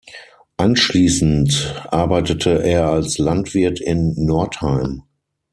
Anschließend arbeitete er als Landwirt in Nordheim.